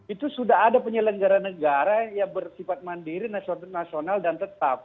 itu sudah ada penyelenggara negara yang bersifat mandiri nasional dan tetap